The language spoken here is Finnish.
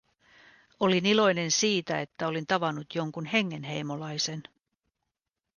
Olin iloinen siitä, että olin tavannut jonkun hengenheimolaisen.